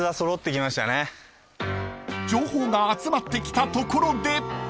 ［情報が集まってきたところで］